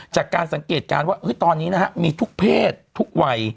จากการสังเกตการณ์ว่าตอนนี้นะฮะมีทุกเพศทุกวัย